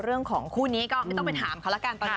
เรื่องของคู่นี้ก็ไม่ต้องไปถามเขาแล้วกัน